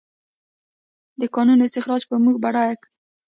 د کانونو استخراج به موږ بډایه کړي؟